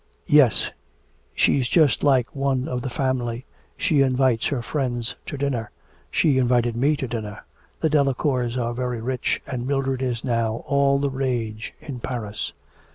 'Yes; she's just like one of the family. She invites her friends to dinner. She invited me to dinner. The Delacours are very rich, and Mildred is now all the rage in Paris.'